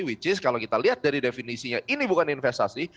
which is kalau kita lihat dari definisinya ini bukan investasi